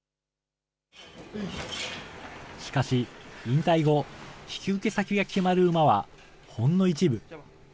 しかし、引退後、引き受け先が決まる馬はほんの一部。